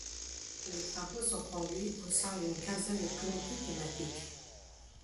Les travaux sont conduits au sein d'une quinzaine de comités thématiques.